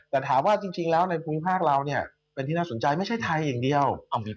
แต่ถามว่าจริงแล้วในภูมิภาคเราเนี่ยเป็นที่น่าสนใจไม่ใช่ไทยอย่างเดียว